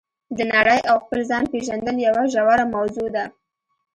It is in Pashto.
د نړۍ او خپل ځان پېژندل یوه ژوره موضوع ده.